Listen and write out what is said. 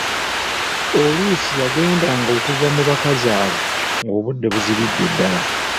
Oluusi yagendanga okuva mu bakazi abo ng'obudde buzibidde ddala.